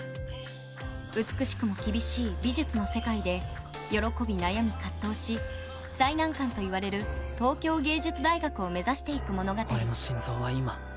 美しくも厳しい美術の世界で喜び悩み葛藤し最難関といわれる東京藝術大学を目指していく物語。